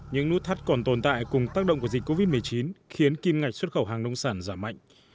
những nút thắt còn tồn tại cùng tác động của dịch covid một mươi chín khiến kim ngạch xuất khẩu hàng nông sản giảm mạnh